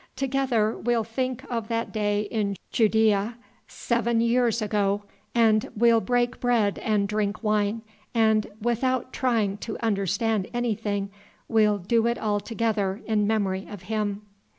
Together we'll think of that day in Judæa seven years ago, and we'll break bread and drink wine, and without trying to understand anything we'll do it all together in memory of Him!"